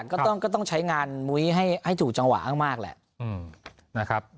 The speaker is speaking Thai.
ก็ต้องก็ต้องใช้งานมุมให้ให้ถูกจังหวามากมากแล้วนะครับ